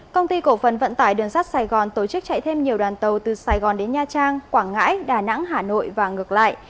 công ty cổ phần vận tải đường sắt sài gòn tổ chức chạy thêm nhiều đoàn tàu từ sài gòn đến nha trang quảng ngãi đà nẵng hà nội và ngược lại